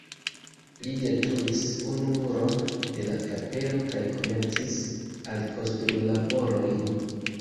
Li detruis unu muron de la kapelo kaj komencis alkonstrulaborojn.